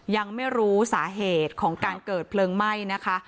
ยังไม่รู้สาเหตุของการเกิดเพลิงไหม้นะคะ